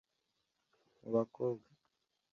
mu bakobwa